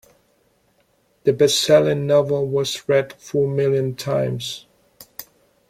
The bestselling novel was read four million times.